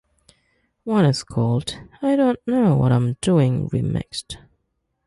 One is called "I Don't Know What Im Doing Remixed".